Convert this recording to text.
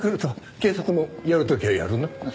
警察もやる時はやるな。